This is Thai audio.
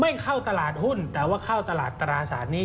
ไม่เข้าตลาดหุ้นแต่ว่าเข้าตลาดตราศาสตร์นี้